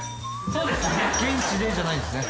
そうですね